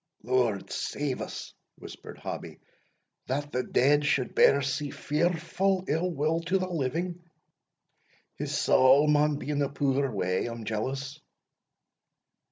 "Lord safe us!" whispered Hobbie, "that the dead should bear sie fearfu' ill will to the living! his saul maun be in a puir way, I'm jealous."